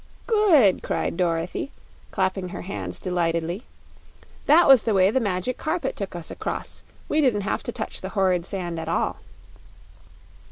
"Good!" cried Dorothy, clapping her hands delightedly. "That was the way the Magic Carpet took us across. We didn't have to touch the horrid sand at all."